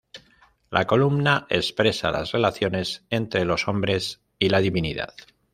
La columna expresa las relaciones entre los hombres y la divinidad.